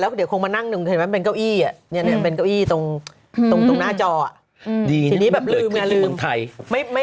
เดี๋ยวคงมานั่งหนึ่งเห็นไหมเป็นเก้าอี้เป็นเก้าอี้ตรงหน้าจอดีทีนี้แบบลืมไงลืมเมืองไทย